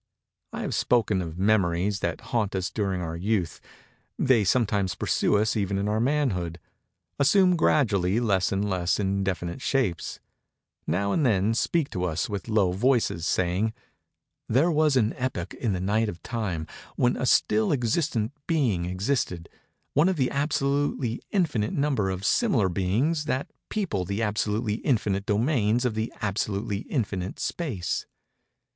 I have spoken of Memories that haunt us during our youth. They sometimes pursue us even in our Manhood:—assume gradually less and less indefinite shapes:—now and then speak to us with low voices, saying: "There was an epoch in the Night of Time, when a still existent Being existed—one of an absolutely infinite number of similar Beings that people the absolutely infinite domains of the absolutely infinite space.